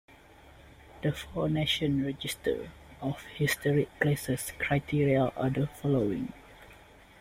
The four National Register of Historic Places criteria are the following.